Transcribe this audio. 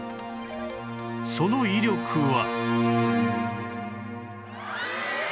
その威力は